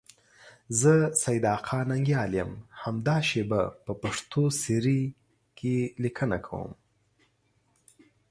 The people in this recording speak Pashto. زه سیدآقا ننگیال یم، همدا شیبه په پښتو سیرې کې لیکنه کوم.